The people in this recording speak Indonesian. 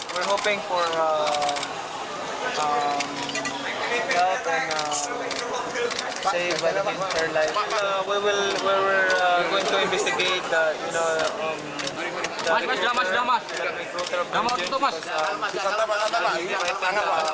menurut informasi mary jane adalah orang yang inosent dan mereka adalah orang yang berpikir